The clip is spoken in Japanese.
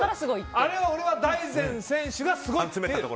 あれは俺は大然選手がすごいと思う。